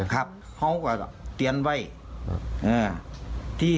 การฮมุยมีค่อยก็ไม่มี